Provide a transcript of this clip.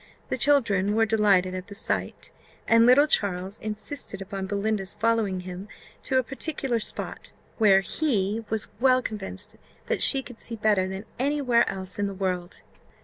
The children were delighted at the sight, and little Charles insisted upon Belinda's following him to a particular spot, where he was well convinced that she could see better than any where else in the world.